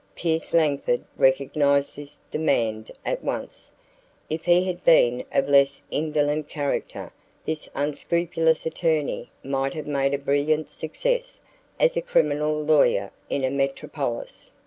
Pierce Langford recognized this demand at once. If he had been of less indolent character this unscrupulous attorney might have made a brilliant success as a criminal lawyer in a metropolis.